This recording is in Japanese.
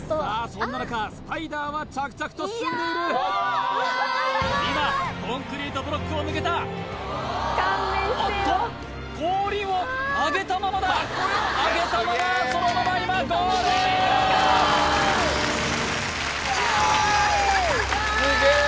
そんな中スパイダーは着々と進んでいる今コンクリートブロックを抜けたおっと後輪を上げたままだ上げたままそのまま今イエーイ！